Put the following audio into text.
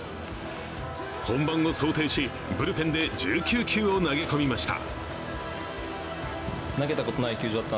本番を想定しブルペンで１９球を投げ込みました。